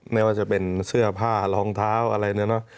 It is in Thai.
ไม่ว่าจะเป็นเสื้อผ้ารองเท้าอะไรเนี่ยเนอะ